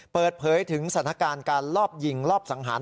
เปิดเผยถึงสถานการณ์การลอบยิงรอบสังหาร